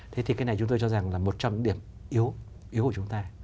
thế thì cái này chúng tôi cho rằng là một trong những điểm yếu yếu của chúng ta